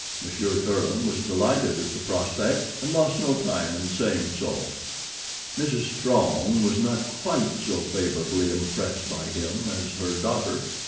Monsieur Thuran was delighted at the prospect, and lost no time in saying so. Mrs. Strong was not quite so favorably impressed by him as her daughter.